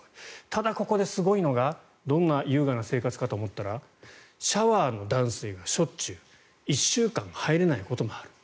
ただ、ここですごいのがどんな優雅な生活かと思ったらシャワーの断水がしょっちゅう１週間入れないことがある。